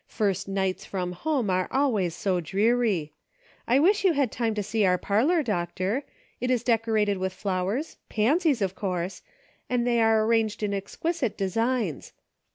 First nights from home are always so dreary ! I wish you had time CIRCLES WITHIN CIRCLES. 307 to see our parlor, Doctor. It is decorated with flowers, pansies, of course, and they are arranged in exquisite designs.